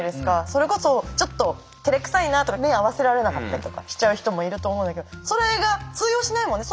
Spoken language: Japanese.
それこそちょっとてれくさいなとか目合わせられなかったりとかしちゃう人もいると思うんだけどそれが通用しないもんね。